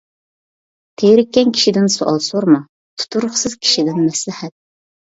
تېرىككەن كىشىدىن سوئال سورىما، تۇتۇرۇقسىز كىشىدىن مەسلىھەت.